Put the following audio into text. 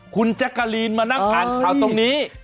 คุณแจ๊กกะลีนมานั่งอ่านข่าวตรงนี้